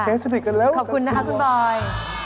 เจ๊สนิทกันแล้วค่ะคุณบอยขอบคุณนะคะคุณบอย